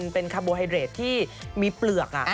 เป็นคาร์โบไฮเดรดที่มีเปลือก